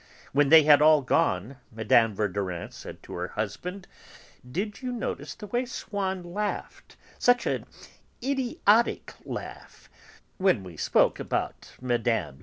When they had all gone, Mme. Verdurin said to her husband: "Did you notice the way Swann laughed, such an idiotic laugh, when we spoke about Mme.